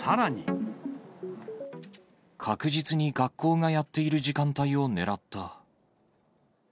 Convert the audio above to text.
確実に学校がやっている時間帯を狙った。